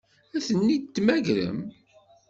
Ad tent-id-temmagrem?